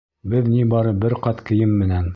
Беҙ ни бары бер ҡат кейем менән.